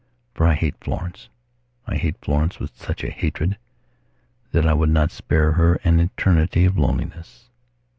For I hate Florence. I hate Florence with such a hatred that I would not spare her an eternity of loneliness.